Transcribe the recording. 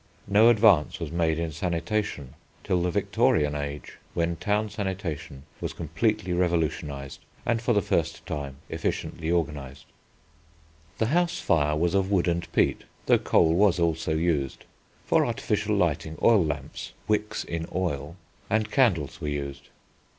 No advance was made in sanitation till the Victorian Age, when town sanitation was completely revolutionised and, for the first time, efficiently organised. The house fire was of wood and peat, though coal was also used. For artificial lighting oil lamps (wicks in oil) and candles were used.